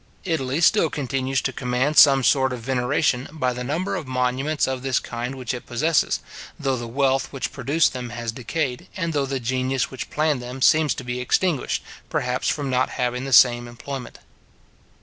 Italy still continues to command some sort of veneration, by the number of monuments of this kind which it possesses, though the wealth which produced them has decayed, and though the genius which planned them seems to be extinguished, perhaps from not having the same employment.